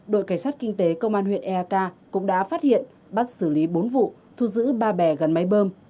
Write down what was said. đội cảnh sát kinh tế công an huyện eak cũng đã phát hiện bắt xử lý bốn vụ thu giữ ba bè gần máy bơm